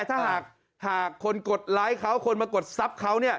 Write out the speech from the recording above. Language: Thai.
ถ้าหากคนกดไลค์เขาคนมากดทรัพย์เขา